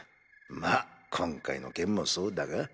まぁ今回の件もそうだが。